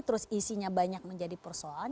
terus isinya banyak menjadi persoalan